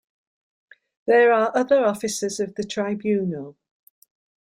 There are other officers of the tribunal.